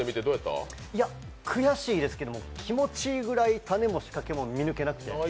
悔しいですけど気持ちいいぐらい種も仕掛けも見抜けなくて。